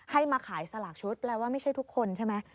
ให้มาขายสลากชุดแปลว่าไม่ใช่ทุกคนใช่ไหม